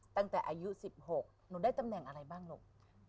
ตั้งแต่อายุ๑๖หนูได้ตำแหน่งอะไรบ้างลูก